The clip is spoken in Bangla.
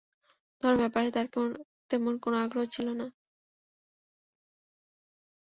ধর্মের ব্যাপারে তার তেমন কোন আগ্রহ ছিল না।